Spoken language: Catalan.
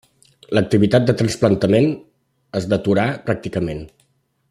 L'activitat de trasplantament es deturà pràcticament.